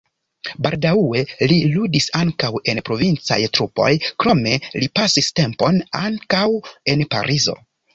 Baldaŭe li ludis ankaŭ en provincaj trupoj, krome li pasis tempon ankaŭ en Parizo.